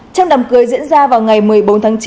trong đàm cưới diễn ra vào ngày một mươi bốn tháng chín